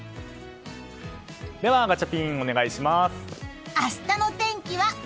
ではガチャピン、お願いします。